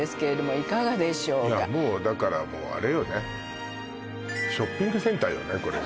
いやもうだからあれよねショッピングセンターよね